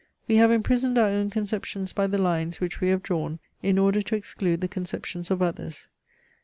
We have imprisoned our own conceptions by the lines, which we have drawn, in order to exclude the conceptions of others.